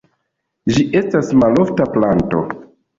Ĝi estas malofta planto.